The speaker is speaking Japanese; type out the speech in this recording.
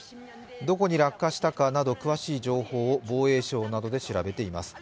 どこに落下したかなど詳しい情報を防衛省などで調べています。